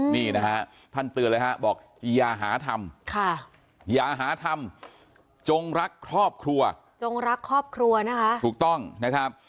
นี่นะฮะท่านเตือนเลยฮะบอกอย่าหาทำอย่าหาทำจงรักครอบครัวจงรักครอบครัวนะคะถูกต้องนะครับ